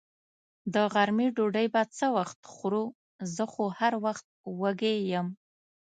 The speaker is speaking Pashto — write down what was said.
د غرمې ډوډۍ به څه وخت خورو؟ زه خو هر وخت وږې یم.